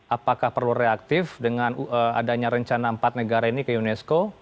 apakah perlu reaktif dengan adanya rencana empat negara ini ke unesco